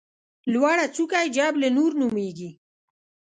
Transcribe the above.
لوړه څوکه یې جبل نور نومېږي.